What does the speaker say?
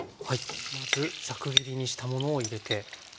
まずザク切りにしたものを入れて。